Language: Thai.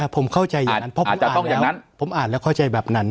ผมเข้าใจอย่างนั้นเพราะผมจะต้องอย่างนั้นผมอ่านแล้วเข้าใจแบบนั้น